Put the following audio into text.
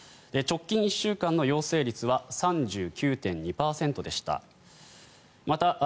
直近１週間の陽性率は３９．２％でした。